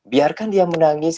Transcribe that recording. biarkan dia menangis